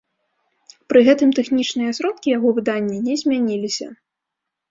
Пры гэтым тэхнічныя сродкі яго выдання не змяніліся.